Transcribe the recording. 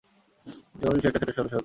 যেকোন কিছুই একটি সেটের সদস্য হতে পারে।